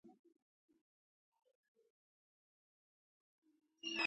خو هغه کار چې کوو یې باید خپله ګټه په پام کې ونه نیسو.